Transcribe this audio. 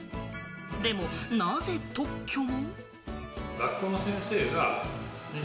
でも、なぜ特許を？